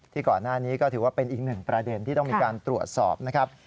ก่อนหน้านี้ก็ถือว่าเป็นอีกหนึ่งประเด็นที่ต้องมีการตรวจสอบนะครับ